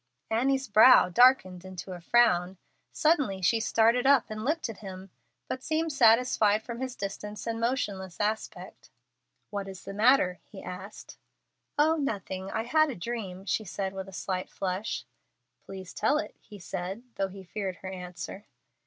Annie's brow darkened into a frown. Suddenly she started up and looked at him, but seemed satisfied from his distance and motionless aspect. "What is the matter?" he asked. "Oh, nothing. I had a dream," she said, with a slight flush. "Please tell it," he said, though he feared her answer.